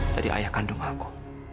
tadi ayah kandung aku